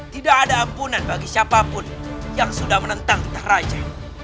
tidak ada ampunan bagi siapapun yang sudah menentang entah raja